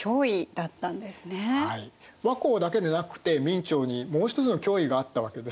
倭寇だけでなくて明朝にもう一つの脅威があったわけです。